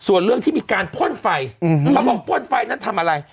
ส่วนเรื่องที่มีการพ่นไฟเขาบอกพ่นไฟนั้นทำอะไร